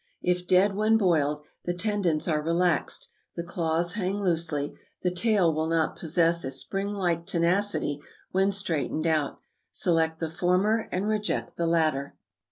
If dead when boiled, the tendons are relaxed, the claws hang loosely, the tail will not possess a spring like tenacity when straightened out. Select the former, and reject the latter.